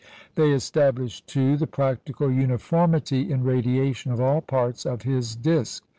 They established, too, the practical uniformity in radiation of all parts of his disc.